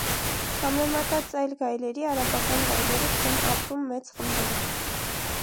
Համեմետած այլ գայլերի արաբական գայլերը չեն ապրում մեծ խմբերով։